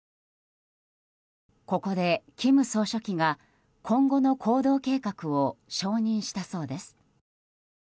ここで、金総書記が今後の行動計画を承認したそうです。